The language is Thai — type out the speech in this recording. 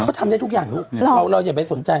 เขาทำได้ทุกอย่างลูกเราเราอย่าไปสนใจ